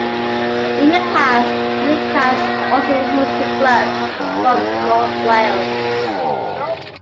In the past, the league has also hosted clubs from North Wales.